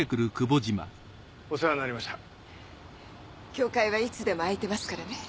教会はいつでも開いてますからね。